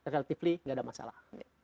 relatively tidak ada masalah